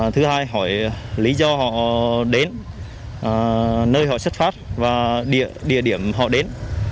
thứ hai hỏi lý do họ đến nơi họ xuất phát và địa điểm họ đến